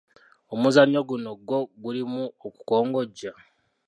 Omuzannyo guno gwo gulimu okukongojja.